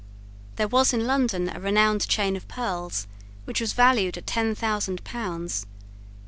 There was in London a renowned chain of pearls which was valued at ten thousand pounds.